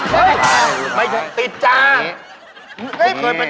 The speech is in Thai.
ชายชาติ